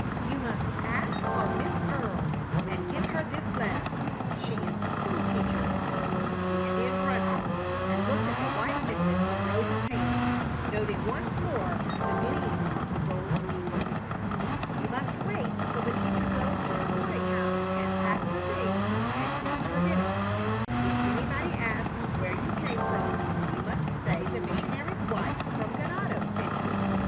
"You must ask for Miss Earle and give her this letter. She is the school teacher." The Indian grunted and looked at the white missive in Rosa's hand, noting once more the gleam of the gold pieces. "You must wait till the teacher goes to her boarding house and packs her things and eats her dinner. If anybody asks where you came from you must say the missionary's wife from Ganado sent you.